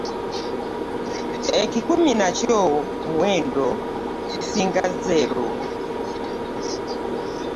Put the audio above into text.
Ekikumi nakyo muwendo kisinga zero